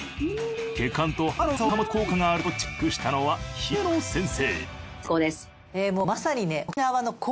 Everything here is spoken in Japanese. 血管と肌の若さを保つ効果があるとチェックしたのは姫野先生